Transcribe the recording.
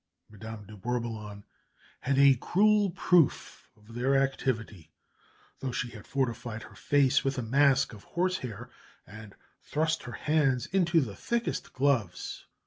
Madame de Bourboulon had a cruel proof of their activity, though she had fortified her face with a mask of horsehair, and thrust her hands into the thickest gloves.